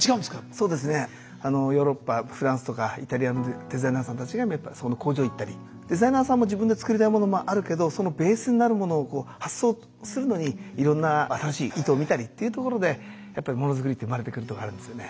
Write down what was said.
そうですねヨーロッパフランスとかイタリアのデザイナーさんたちが工場行ったりデザイナーさんも自分で作りたいものもあるけどそのベースになるものを発想するのにいろんな新しい糸を見たりというところでやっぱりものづくりって生まれてくるとこがあるんですよね。